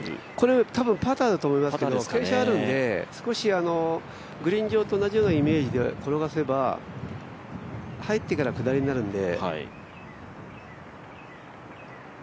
多分パターだと思いますけど、少しグリーン上と同じようなイメージで転がせば入ってから下りになるんで。